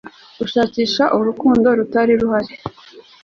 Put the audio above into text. gushakisha urukundo rutari ruhari